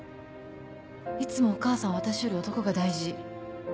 いつもお母さんは私より男が大事。